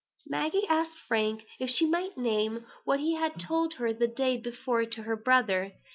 Maggie asked Frank if she might name what he had told her the day before to her brother.